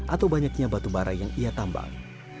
atau banyaknya batubara yang ia tambang